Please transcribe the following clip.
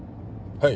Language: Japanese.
はい。